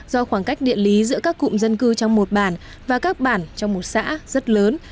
do khoảng cách địa lý giữa các cụm dân cư trong một bản và các bản trong một xã rất lớn